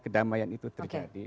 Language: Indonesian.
kedamaian itu terjadi